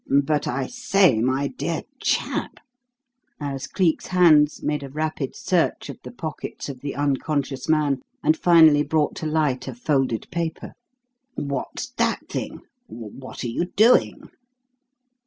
But, I say, my dear chap" as Cleek's hands made a rapid search of the pockets of the unconscious man, and finally brought to light a folded paper "what's that thing? What are you doing?"